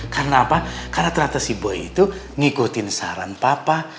karena apa karena ternyata si boy itu ngikutin saran papa